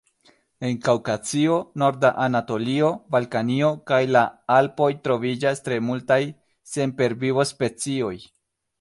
En Kaŭkazio, norda Anatolio, Balkanio kaj la Alpoj troviĝas tre multaj sempervivo-specioj.